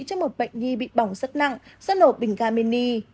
cho một bệnh nhi bị bỏng rất nặng xuất nổ bình ga mini